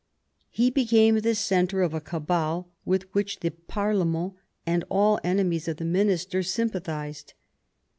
He became the centre of a cabal with which the parUment and all enemies of the minister sympathised.